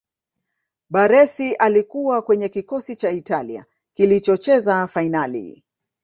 baressi alikuwa kwenye kikosi cha italia kilichocheza fainali